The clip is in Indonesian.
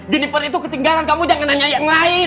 jenniper itu ketinggalan kamu jangan nanya yang lain